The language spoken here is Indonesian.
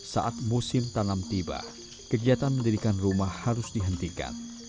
saat musim tanam tiba kegiatan mendirikan rumah harus dihentikan